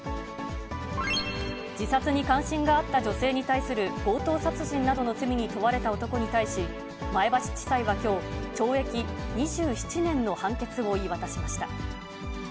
自殺に関心があった女性に対する強盗殺人などの罪に問われた男に対し、前橋地裁はきょう、懲役２７年の判決を言い渡しました。